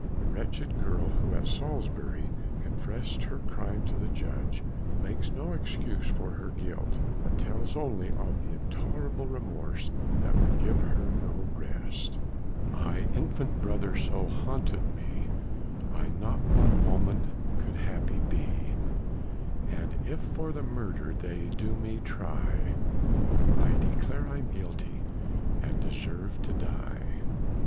The wretched girl who at Salisbury confessed her crime to the judge, makes no excuse for her guilt, but tells only of the intolerable remorse that would give her no rest "My infant brother so haunted me, I not one moment could happy be; And if for the murder they do me try, I declare I'm guilty, and deserve to die."